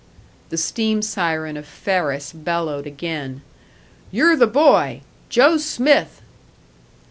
The steam siren of Ferris bellowed again: "You're the boy! Joe Smith!"